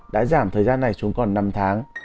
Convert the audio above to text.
đã giảm thời gian này xuống còn năm tháng